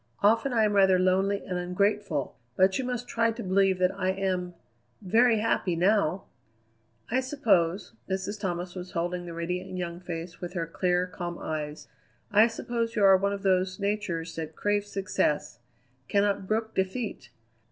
Often I am rather lonely and ungrateful; but you must try to believe that I am very happy now." "I suppose" Mrs. Thomas was holding the radiant young face with her clear, calm eyes "I suppose you are one of those natures that craves success; cannot brook defeat.